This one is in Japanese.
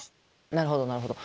なるほどなるほど。